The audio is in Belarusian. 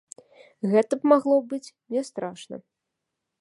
Гэта б магло быць не страшна.